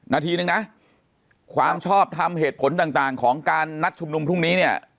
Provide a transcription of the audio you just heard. นาทีนึงนะความชอบทำเหตุผลต่างของการนัดชุมนุมพรุ่งนี้เนี่ย